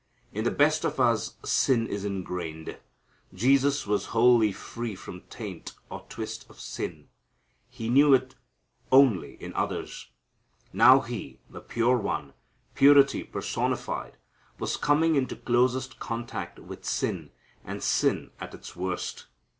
In the best of us sin is ingrained. Jesus was wholly free from taint or twist of sin. He knew it only in others. Now He, the pure One, purity personified, was coming into closest contact with sin, and sin at its worst.